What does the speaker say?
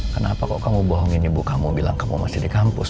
kenapa kok kamu bohongin ibu kamu bilang kamu masih di kampus